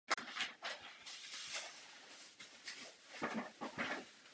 Otisky fosilních rostlin je také možno zkoumat pomocí slabého ultrafialového nebo infračerveného světla.